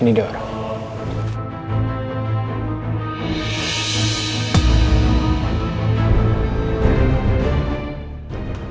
ini dia orangnya